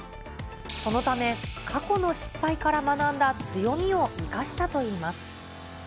そのため、過去の失敗から学んだ強みを生かしたといいます。